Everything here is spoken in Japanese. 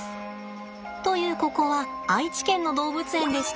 というここは愛知県の動物園でして。